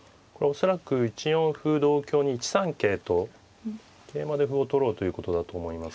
恐らく１四歩同香に１三桂と桂馬で歩を取ろうということだと思いますね。